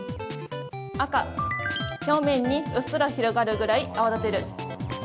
赤・表面にうっすら広がるぐらい泡立てる。